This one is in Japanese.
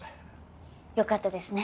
よかったですね